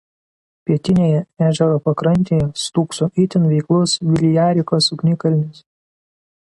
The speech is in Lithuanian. Pietinėje ežero pakrantėje stūkso itin veiklus Viljarikos ugnikalnis.